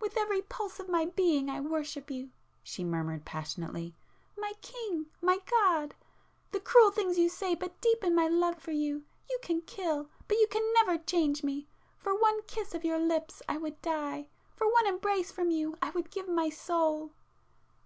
"With every pulse of my being I worship you!" she murmured passionately—"My king!—my god! The cruel things you say but deepen my love for you,—you can kill, but you can never change me! For one kiss of your lips I would die,—for one embrace from you I would give my soul!